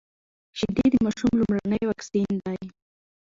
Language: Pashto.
شيدې د ماشوم لومړنی واکسين دی.